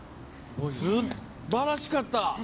すばらしかった！